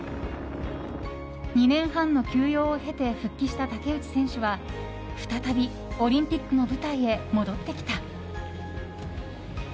２年半の休養を経て復帰した竹内選手は再び、オリンピックの舞台へ戻ってきた。